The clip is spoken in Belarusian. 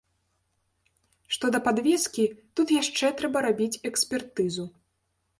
Што да падвескі, тут яшчэ трэба рабіць экспертызу.